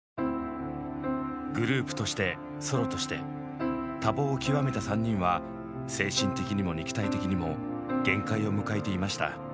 グループとしてソロとして多忙を極めた３人は精神的にも肉体的にも限界を迎えていました。